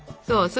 そう。